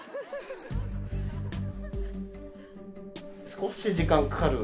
少し時間かかる？